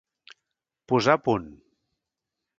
Posar a punt.